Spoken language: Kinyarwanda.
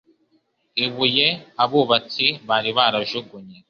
Ibuye abubatsi bari barajugunye